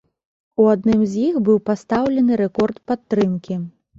У адным з іх быў пастаўлены рэкорд падтрымкі.